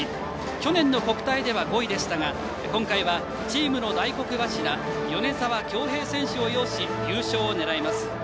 去年の国体では５位でしたが今回はチームの大黒柱米澤協平選手を擁し優勝を狙います。